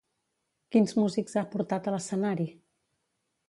Quins músics ha portat a l'escenari?